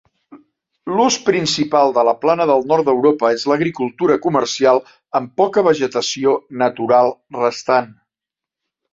L'ús principal de la plana del nord d'Europa és l'agricultura comercial, amb poca vegetació natural restant.